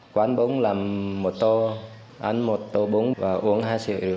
quán bún làm một tô ăn một tô bún và uống hai sữa rượu